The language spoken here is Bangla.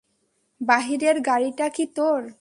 বাহিরের গাড়িটা কি তোর?